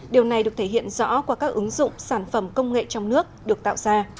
điều này được thể hiện rõ qua các ứng dụng sản phẩm công nghệ trong nước được tạo ra